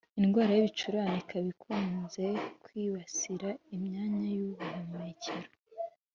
Indwara y’ibicurane ikaba ikunze kwibasira imyanya y’ubuhumekero